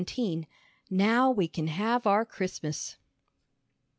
XVII "NOW WE CAN HAVE OUR CHRISTMAS!"